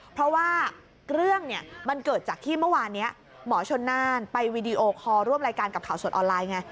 เพราะว่าเรื่องเนี่ยมันเกิดจากที่เมื่อวานนี้หมอชนน่านไปวีดีโอคอลร่วมรายการกับข่าวสดออนไลน์ไง